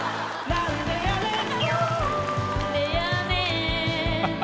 「何でやねん」